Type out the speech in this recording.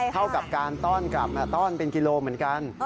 เท่ากับการต้อนกลับต้อนเป็นกิโลเหมือนกัน